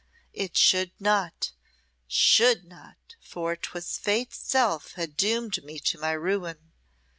It should not should not for 'twas Fate's self had doomed me to my ruin.